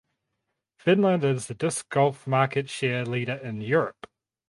Finland is the disc golf market share leader in Europe.